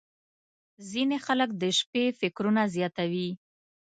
• ځینې خلک د شپې فکرونه زیاتوي.